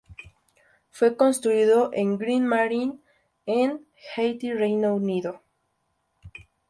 Fue construido en "Green Marine" en Hythe, Reino Unido.